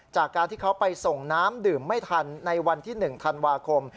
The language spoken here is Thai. จากการที่เขาไปส่งน้ำดื่มไม่ทันในวันที่๑ธันวาคม